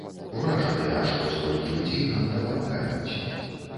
Уражаныя, што столькі людзей нам дапамагаюць.